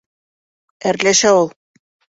Әрләшә ул.